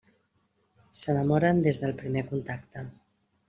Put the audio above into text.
S'enamoren des del primer contacte.